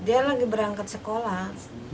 dia lagi berangkat sekolah